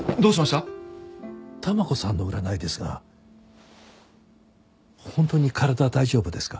たま子さんの占いですが本当に体大丈夫ですか？